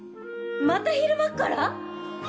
また昼間っから！？